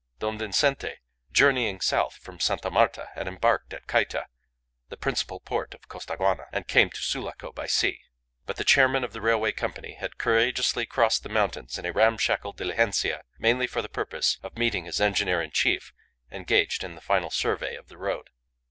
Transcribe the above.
Don Vincente, journeying south from Sta. Marta, had embarked at Cayta, the principal port of Costaguana, and came to Sulaco by sea. But the chairman of the railway company had courageously crossed the mountains in a ramshackle diligencia, mainly for the purpose of meeting his engineer in chief engaged in the final survey of the road.